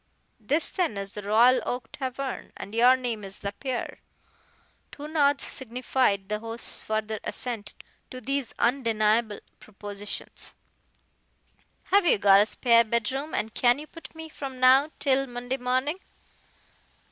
"This, then, is the Royal Oak tavern, and your name is Lapierre?" Two nods signified the host's further assent to these undeniable propositions. "Have you got a spare bedroom, and can you put me up from now till Monday morning?"